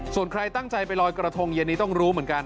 ส่วนใครตั้งใจไปลอยกระทงเย็นนี้ต้องรู้เหมือนกัน